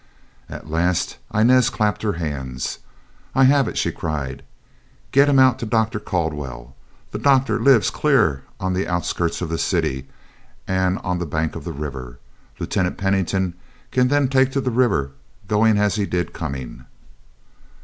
At last Inez clapped her hands. "I have it," she cried. "Get him out to Dr. Caldwell. The doctor lives clear on the outskirts of the city, and on the bank of the river. Lieutenant Pennington can take to the river going as he did coming."